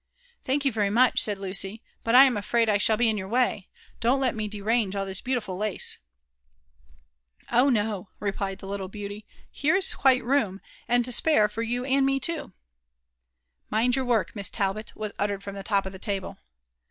Thank you very mudi," said Lucy,; but I am afraid 1 shall be in your way ; don*t»lel mc derange all this beautiful lace." '* Oh no I *' replied the littie beauty ;here is quite room, and to spare, for you and me too." Mind your work, Miss Talbot,^' was uttered from the top of th6 table.